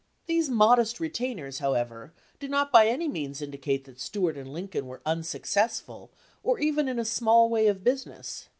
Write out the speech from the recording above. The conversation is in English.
These modest retainers, however, do not by any means indicate that Stuart & Lincoln were unsuccessful or even in a small way of business.